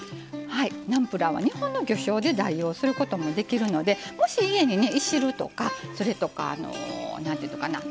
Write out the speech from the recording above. ナムプラーは日本の魚しょうで代用することもできるのでもし家にいしるとかそれとか。